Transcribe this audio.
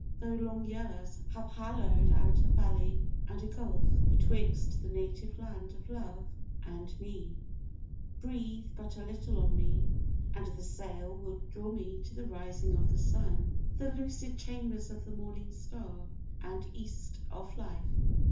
Tho' long years Have hallowed out a valley and a gulf Betwixt the native land of Love and me, Breathe but a little on me, and the sail Will draw me to the rising of the sun, The lucid chambers of the morning star, And East of life.